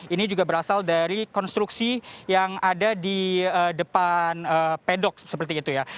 ini juga berasal dari konstruksi yang ada di depan pedok seperti itu ya